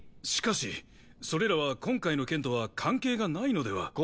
しかしそれらは今回の件とは関係がないのでは。